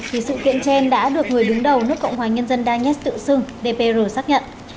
thì sự kiện trên đã được người đứng đầu nước cộng hòa nhân dân da nhất tự xưng dpr xác nhận